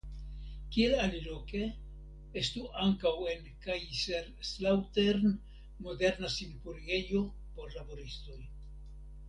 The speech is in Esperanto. Kiel aliloke estu ankaŭ en Kaiserslautern moderna sinpurigejo por laboristoj.